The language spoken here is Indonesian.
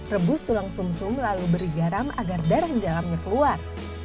rebus tulang sum sum lalu beri garam agar darah di dalamnya keluar